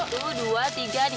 dua dua tiga nih